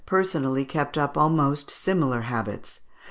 personally kept up almost similar habits.